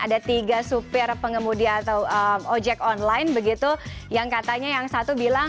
ada tiga supir pengemudi atau ojek online begitu yang katanya yang satu bilang